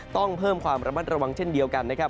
ต้องเพิ่มความระมัดระวังเช่นเดียวกันนะครับ